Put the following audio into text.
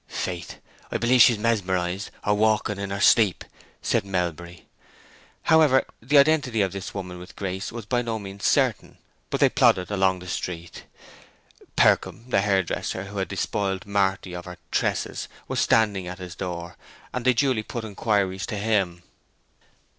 "Faith!—I believe she's mesmerized, or walking in her sleep," said Melbury. However, the identity of this woman with Grace was by no means certain; but they plodded along the street. Percombe, the hair dresser, who had despoiled Marty of her tresses, was standing at his door, and they duly put inquiries to him.